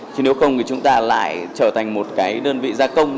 chứ nếu không thì chúng ta lại trở thành một cái đơn vị gia công